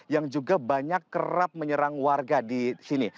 yang juga banyak kerap menyerang warga di sini